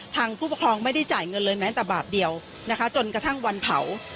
ผู้ปกครองไม่ได้จ่ายเงินเลยแม้แต่บาทเดียวนะคะจนกระทั่งวันเผา